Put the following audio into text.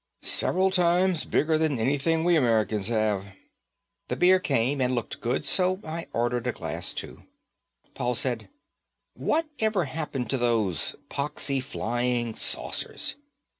"Several times bigger than anything we Americans have." The beer came and looked good, so I ordered a glass too. Paul said, "What ever happened to those poxy flying saucers?"